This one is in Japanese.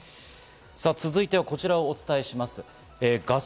続いてはこちらをお伝えします。